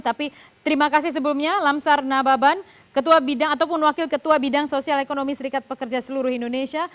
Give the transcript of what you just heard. tapi terima kasih sebelumnya lamsar nababan ketua bidang ataupun wakil ketua bidang sosial ekonomi serikat pekerja seluruh indonesia